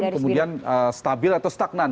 kemudian stabil atau stagnan